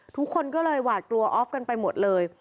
ทุกคนก็เลยหวาดกลัวออฟกันไปหมดเลย